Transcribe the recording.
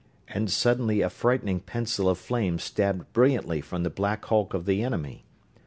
And suddenly a frightened pencil of flame stabbed brilliantly from the black hulk of the enemy.